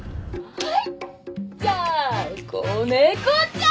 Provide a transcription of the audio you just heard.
はい。